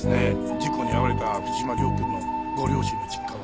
事故に遭われた藤島涼君のご両親の実家は。